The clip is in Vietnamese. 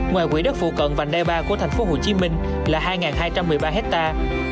ngoài quỹ đất phụ cận vành đai ba của tp hcm là hai hai trăm một mươi ba hectare